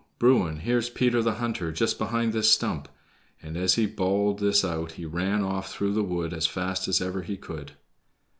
Bruin, here's Peter the Hunter, just behind this stump"; and as he bawled this out he ran off through the wood as fast as ever he could.